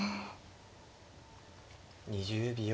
２０秒。